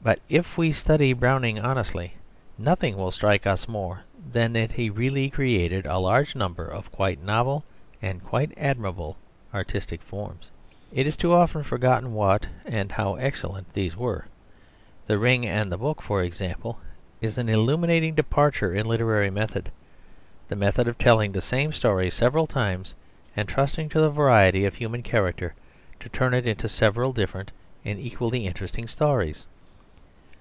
But if we study Browning honestly, nothing will strike us more than that he really created a large number of quite novel and quite admirable artistic forms. It is too often forgotten what and how excellent these were. The Ring and the Book, for example, is an illuminating departure in literary method the method of telling the same story several times and trusting to the variety of human character to turn it into several different and equally interesting stories.